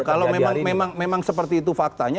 kalau memang seperti itu faktanya